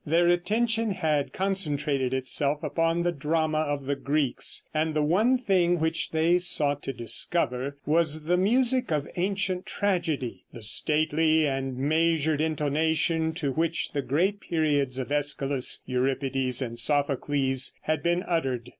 Their attention had concentrated itself upon the drama of the Greeks, and the one thing which they sought to discover was the music of ancient tragedy, the stately and measured intonation to which the great periods of Æschylus, Euripides and Sophocles had been uttered.